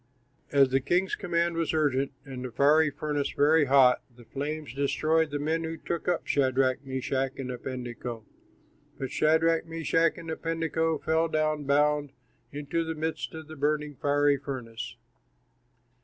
As the king's command was urgent and the furnace very hot, the flames destroyed the men who took up Shadrach, Meshach, and Abednego. But Shadrach, Meshach, and Abednego, fell down, bound, into the midst of the burning, fiery furnace.